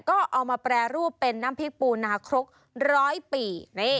ก็เอามาแปรรูปเป็นน้ำพริกปูนาครกร้อยปี